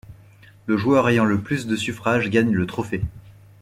Le joueur ayant le plus de suffrages gagne le trophée.